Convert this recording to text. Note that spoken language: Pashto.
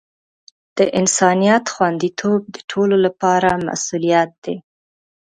د انسانیت خوندیتوب د ټولو لپاره مسؤولیت دی.